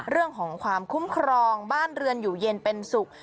เรื่องของความคุ้มครองบ้านเรือนอยู่เย็นเป็นสุข